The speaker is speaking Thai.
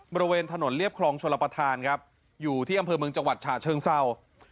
บริเวณถนนเรียบคลองชลประธานครับอยู่ที่อำเภอเมืองจังหวัดฉะเชิงเศร้า